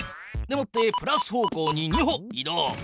でもってプラス方向に２歩い動。